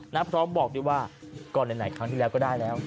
น้าพร้อมบอกดิว่าก็ไหนครั้งที่แล้วก็ได้แล้ว